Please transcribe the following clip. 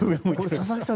佐々木さん